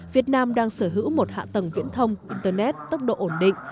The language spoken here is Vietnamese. việt nam đang sở hữu một hạ tầng viễn thông internet tốc độ ổn định